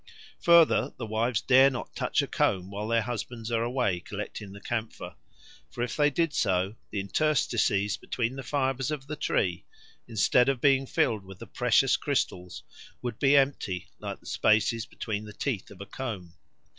Further, the wives dare not touch a comb while their husbands are away collecting the camphor; for if they did so, the interstices between the fibres of the tree, instead of being filled with the precious crystals, would be empty like the spaces between the teeth of a comb.